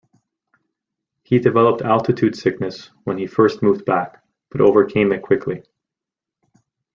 He developed altitude sickness when he first moved back, but overcame it quickly.